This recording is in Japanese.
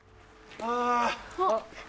あっ。